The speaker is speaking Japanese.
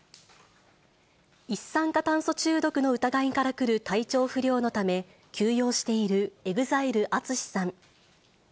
一酸化炭素中毒の疑いからくる体調不良のため、休養しているＥＸＩＬＥ・ＡＴＳＵＳＨＩさん。